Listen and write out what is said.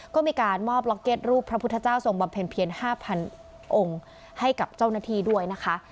ก็มีการมอบล็อกเก็ตรูปพระพุทธเจ้าทรงบำเพ็ญเพียร๕๐๐องค์ให้กับเจ้าหน้าที่ด้วยนะคะ